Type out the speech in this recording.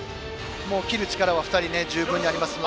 切る力は２人十分あります。